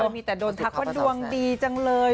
มีแต่โดนทักว่าดวงดีจังเลย